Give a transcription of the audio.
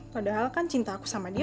padahal kan cinta aku sama dia